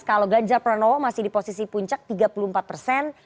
kalau ganjar pranowo masih di posisi puncak tiga puluh empat persen